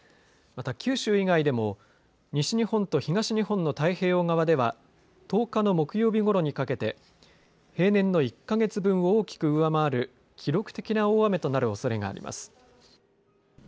また、九州以外でも西日本と東日本の太平洋側では１０日の木曜日ごろにかけて平年の１か月分を大きく上回る記録的な大雨となるおそれがあります。